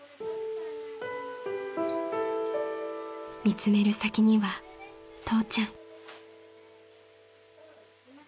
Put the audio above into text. ［見詰める先には父ちゃん］